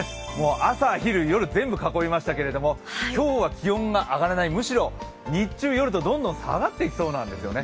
朝昼夜、全部囲いましたけど今日は気温が上がらない、むしろ日中、夜とどんどん下がっていきそうなんですよね。